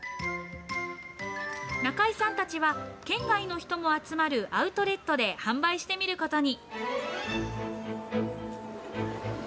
中井さんたちは、県外の人も集まるアウトレットで販売してみることに。